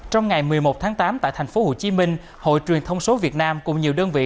trong ngày một mươi một tháng tám tại thành phố hồ chí minh hội truyền thông số việt nam cùng nhiều đơn vị